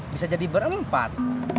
bisa jadi berempat